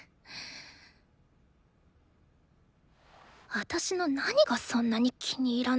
私の何がそんなに気に入らないのよ。